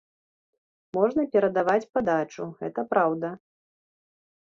Можна перадаваць падачу, гэта праўда.